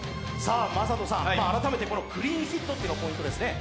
魔裟斗さん、改めてクリーンヒットというのがポイントですね。